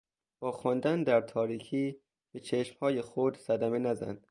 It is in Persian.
با خواندن در تاریکی به چشمهای خود صدمه نزن.